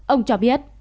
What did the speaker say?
ông cho biết